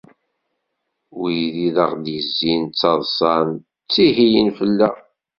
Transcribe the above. Wid i aɣ-d-izzin ttaḍsan, ttihiyen fell-aɣ.